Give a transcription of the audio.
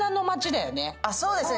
そうですね。